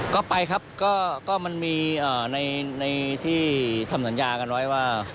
ก็ไปครับก็มันมีในที่ทำสัญญากันไว้ว่า